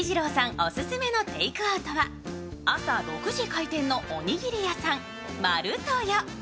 オススメのテイクアウトは朝６時開店のおにぎり屋さん、丸豊。